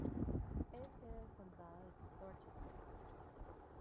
Es sede del condado de Dorchester.